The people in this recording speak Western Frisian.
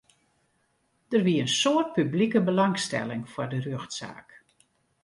Der wie in soad publike belangstelling foar de rjochtsaak.